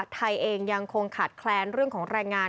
ไทยเองยังคงขาดแคลนเรื่องของแรงงาน